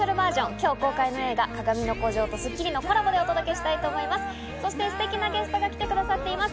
今日公開の映画『かがみの孤城』と『スッキリ』のコラボでお届けしたいと思います。